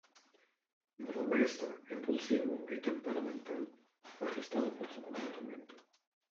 Bromista, impulsivo y temperamental, fue arrestado por su comportamiento.